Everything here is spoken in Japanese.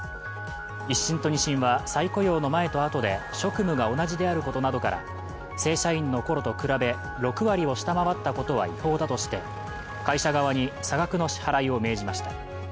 １審と２審は再雇用の前とあとで職務が同じであることなどから正社員のころと比べ６割を下回ったことは違法だとして会社側に差額の支払いを命じました。